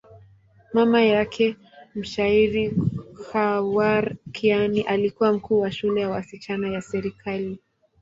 Mama yake, mshairi Khawar Kiani, alikuwa mkuu wa shule ya wasichana ya serikali.